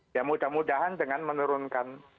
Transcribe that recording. ya mudah mudahan dengan menurunkan